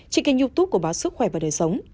trên kênh youtube của báo sức khỏe và đời sống